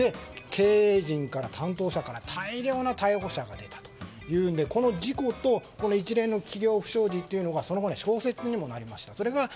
経営陣から、担当者から大量な逮捕者が出たというのでこの事故と一連の企業不祥事というのがその後、小説にもなりました。